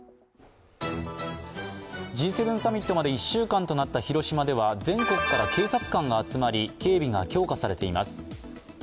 Ｇ７サミットまで１週間となった広島では全国から警察官が集まり、警備が強化されています。